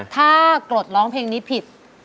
ถ้ากรดร้องเพลงนี้ผิด